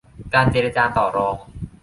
การเจรจาต่อรอง